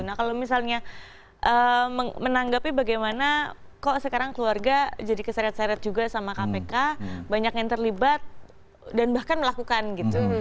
nah kalau misalnya menanggapi bagaimana kok sekarang keluarga jadi keseret seret juga sama kpk banyak yang terlibat dan bahkan melakukan gitu